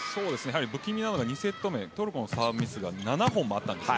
不気味なのが２セット目トルコのサーブミスが７本もあったんです。